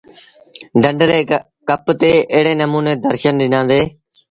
ڍنڍ ري ڪپ تي ايڙي نموٚني درشن ڏنآندي۔